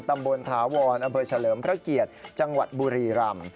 ตำบลถาวรอำเภอเฉลิมพระเกียรติจังหวัดบุรีรำ